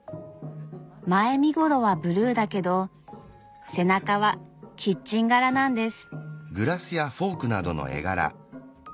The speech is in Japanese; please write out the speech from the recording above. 前身頃はブルーだけど背中はキッチン柄なんです。